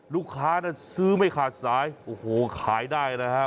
ลูกค้าน่ะซื้อไม่ขาดสายโอ้โฮขายได้นะฮะ